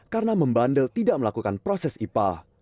karena membandel tidak melakukan proses ipa